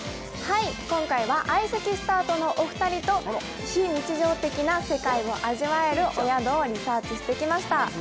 今回は相席スタートのお二人と非日常的な世界が味わえるお宿をリサーチしてきました。